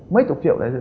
mấy chục triệu để nướng